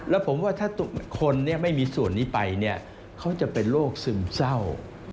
แล้วผมว่าถ้าคนไม่มีส่วนนี้ไปเนี่ยเขาจะเป็นโรคซึมเศร้า